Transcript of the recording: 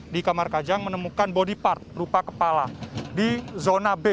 di kamar kajang menemukan body part rupa kepala di zona b